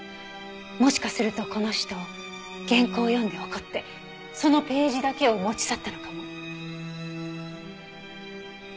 もしかするとこの人原稿を読んで怒ってそのページだけを持ち去ったのかも。